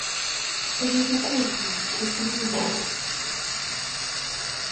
Che kigiguur koek che tiliilen.